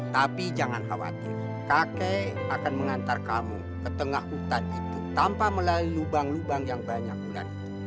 tapi jangan khawatir kakek akan mengantar kamu ke tengah hutan itu tanpa melalui lubang lubang yang banyak bulan itu